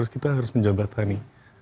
kita harus menjabatani